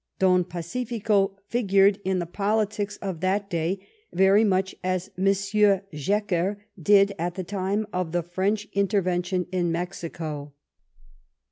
Don Pacifico figured in the politics of that day very much as Monsieur Jecker did at the time of the French intervention in Mexico.